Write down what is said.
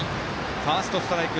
ファーストストライク